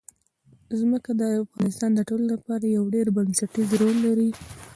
ځمکه د افغانستان د ټولنې لپاره یو ډېر بنسټيز رول لري.